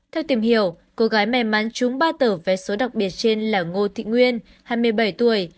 theo tìm hiểu cô gái may mắn trúng ba tờ vé số đặc biệt trên là ngô thị nguyên hai mươi bảy tuổi